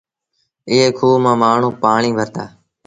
ايئي کوه مآݩ مآڻهوٚݩ پآڻيٚ ڀرتآ۔